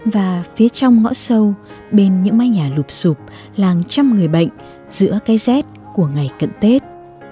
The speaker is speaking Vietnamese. và phía trong ngõ sâu bên những mái nhà lụp sụp làng trăm người bệnh giữa cây rét của ngày cận tết